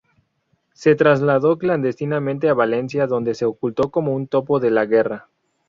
Se trasladó clandestinamente a Valencia donde se ocultó como un topo de la guerra.